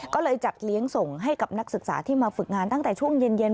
ก็เลยจัดเลี้ยงส่งให้กับนักศึกษาที่มาฝึกงานตั้งแต่ช่วงเย็น